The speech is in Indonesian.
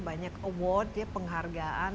banyak award ya penghargaan